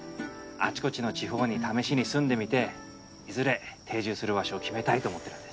あちこちの地方に試しに住んでみていずれ定住する場所を決めたいと思ってるんです。